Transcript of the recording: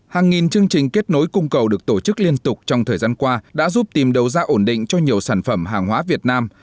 hàng nghìn chương trình kết nối cung cầu được tổ chức liên tục trong thời gian qua đã giúp tìm đầu ra ổn định cho nhiều sản phẩm hàng hóa việt nam